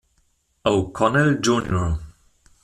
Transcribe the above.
O'Connell Jr.